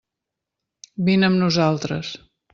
Vine amb nosaltres.